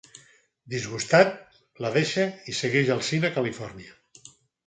Disgustat, la deixa i segueix el Sean a Califòrnia.